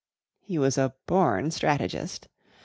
He was a born strategist.